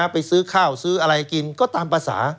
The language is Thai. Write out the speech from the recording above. ไปซื้อข้าวซื้ออะไรกินก็ตามภาษา